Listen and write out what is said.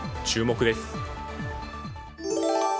注目です。